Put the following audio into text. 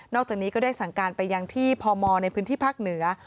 จากนี้ก็ได้สั่งการไปยังที่พมในพื้นที่ภาคเหนือ